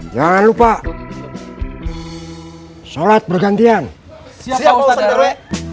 jangan lupa sholat bergantian siapa usaha